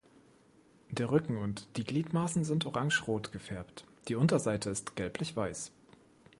Der Rücken und die Gliedmaßen sind orangerot gefärbt, die Unterseite ist gelblich-weiß.